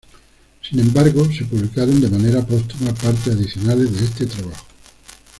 Sin embargo, se publicaron de manera póstuma partes adicionales de este trabajo.